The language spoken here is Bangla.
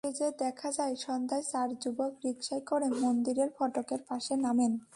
ফুটেজে দেখা যায়, সন্ধ্যায় চার যুবক রিকশায় করে মন্দিরের ফটকের পাশে নামেন।